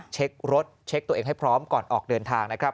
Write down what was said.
เช็ครถเช็คตัวเองให้พร้อมก่อนออกเดินทางนะครับ